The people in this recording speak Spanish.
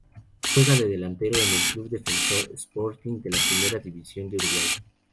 Juega de delantero en el club Defensor Sporting de la Primera División de Uruguay.